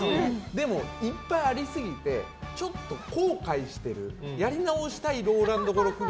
でも、いっぱいありすぎてちょっと後悔してるやり直したいあるな。